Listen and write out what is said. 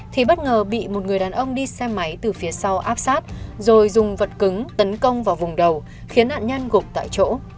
thì bất ngờ bị một người đàn ông đi xe máy từ phía sau áp sát rồi dùng vật cứng tấn công vào vùng đầu khiến nạn nhân gục tại chỗ